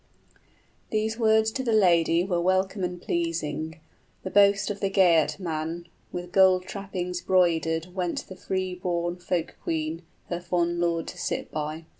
These words to the lady were welcome and pleasing, The boast of the Geatman; with gold trappings broidered Went the freeborn folk queen her fond lord to sit by.